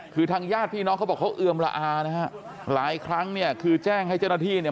คือทางญาติพี่น้องเขาบอกเขาเอือมละอานะฮะหลายครั้งเนี่ยคือแจ้งให้เจ้าหน้าที่เนี่ย